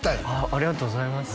ありがとうございます